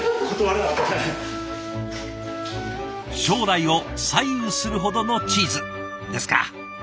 将来を左右するほどのチーズですかぁ！